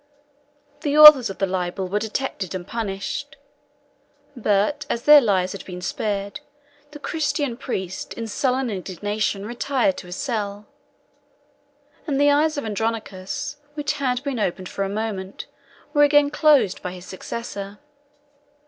The authors of the libel were detected and punished; but as their lives had been spared, the Christian priest in sullen indignation retired to his cell; and the eyes of Andronicus, which had been opened for a moment, were again closed by his successor.